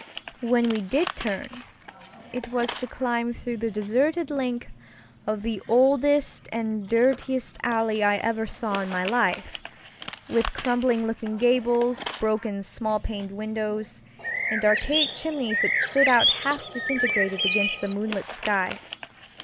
When we did turn, it was to climb through the deserted length of the oldest and dirtiest alley I ever saw in my life, with crumbling looking gables, broken small paned windows, and archaic chimneys that stood out half disintegrated against the moonlit sky.